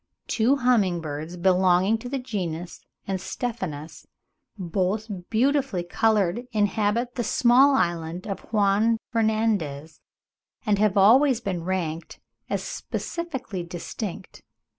Two humming birds belonging to the genus Eustephanus, both beautifully coloured, inhabit the small island of Juan Fernandez, and have always been ranked as specifically distinct.